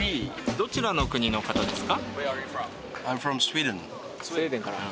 どちらの国の方ですか？